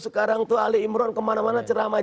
sekarang tuh ali imran kemana mana cerama